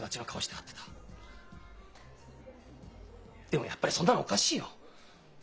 でもやっぱりそんなのおかしいよ。